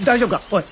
おい！